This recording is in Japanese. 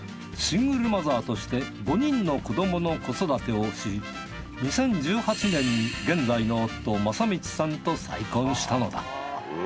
シングルマザーとして５人の子どもの子育てをし２０１８年に現在の夫正道さんと再婚したのだ。